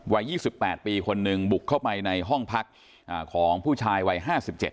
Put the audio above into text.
ยี่สิบแปดปีคนหนึ่งบุกเข้าไปในห้องพักของผู้ชายวัยห้าสิบเจ็ด